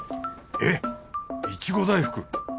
えっいちご大福？